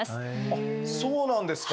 あっそうなんですか。